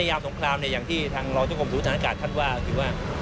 จากการฝึกยิงโดยใช้เงินไม่สูงมากนัก